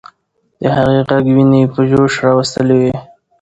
د هغې ږغ ويني په جوش راوستلې وې.